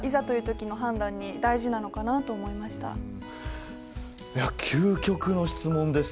なのでいや究極の質問でしたね。